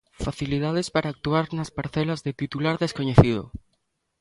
Facilidades para actuar nas parcelas de titular descoñecido.